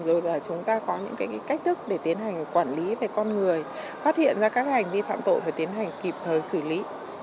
rồi là chúng ta có những cái cách thức để tiến hành quản lý về con người phát hiện ra các hành vi phạm tội phải tiến hành kịp thời xử lý